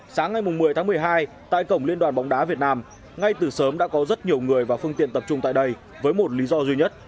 sáng ngày một mươi tháng một mươi hai tại cổng liên đoàn bóng đá việt nam ngay từ sớm đã có rất nhiều người và phương tiện tập trung tại đây với một lý do duy nhất